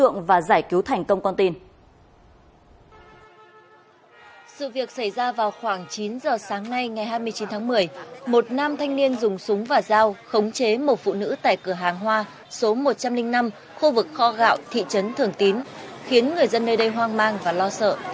ngày hai mươi chín tháng một mươi một nam thanh niên dùng súng và dao khống chế một phụ nữ tại cửa hàng hoa số một trăm linh năm khu vực kho gạo thị trấn thường tín khiến người dân nơi đây hoang mang và lo sợ